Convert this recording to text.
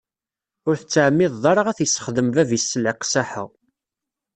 Ur tettɛemmideḍ ara ad t-issexdem bab-is s leqsaḥa.